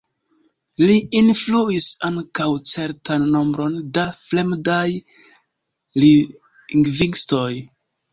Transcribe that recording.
Li influis ankaŭ certan nombron da fremdaj lingvistoj.